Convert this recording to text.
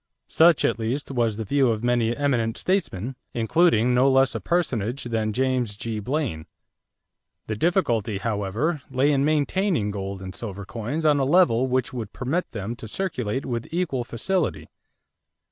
Such, at least, was the view of many eminent statesmen, including no less a personage than James G. Blaine. The difficulty, however, lay in maintaining gold and silver coins on a level which would permit them to circulate with equal facility.